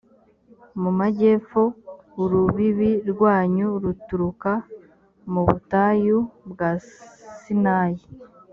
mu majyepfo, urubibi rwanyu ruturuka mu butayu bwa sinayi